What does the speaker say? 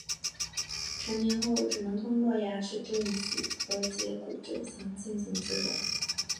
成年后只能通过牙齿正畸和截骨整形进行治疗。